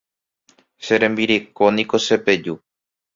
Che rembireko niko chepeju.